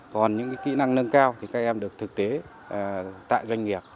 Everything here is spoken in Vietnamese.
còn những kỹ năng nâng cao thì các em được thực tế tại doanh nghiệp